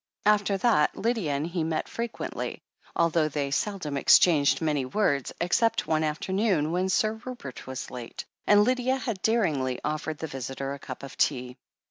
After that, Lydia and he met frequently, although they seldom exchanged many words, except one after noon when Sir Rupert was late, and Lydia had daringly offered the visitor a cup of tea.